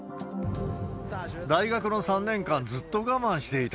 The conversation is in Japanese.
大学の３年間、ずっと我慢していた。